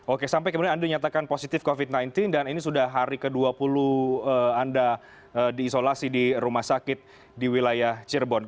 oke sampai kemudian anda dinyatakan positif covid sembilan belas dan ini sudah hari ke dua puluh anda diisolasi di rumah sakit di wilayah cirebon